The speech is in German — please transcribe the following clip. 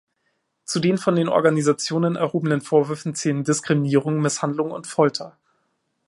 Zu den von den Organisationen erhobenen Vorwürfen zählen Diskriminierung, Misshandlung und Folter.